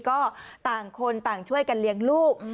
ก็ต่างคนต่างช่วยกันเลี้ยงลูก